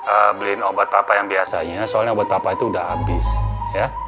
saya beliin obat papa yang biasanya soalnya obat papa itu udah habis ya